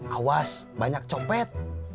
awas banyak copet